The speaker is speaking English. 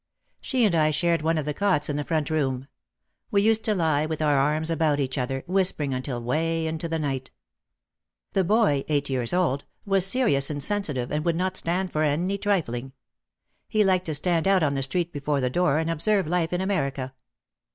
She and I shared one of the cots in the "front room." We used to lie with our arms about each other, whispering until way into the night. The boy, eight years old, was serious and sensitive and would not stand for any trifling. He liked to stand out on the street before the door and observe life in Amer ica.